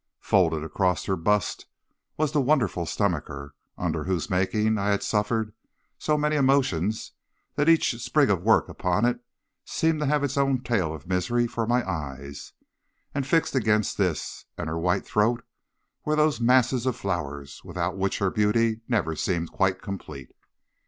Folded across her bust was the wonderful stomacher, under whose making I had suffered so many emotions that each sprig of work upon it seemed to have its own tale of misery for my eyes, and fixed against this and her white throat were those masses of flowers without which her beauty never seemed quite complete.